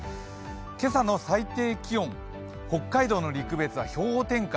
今朝の最低気温、北海道の陸別は氷点下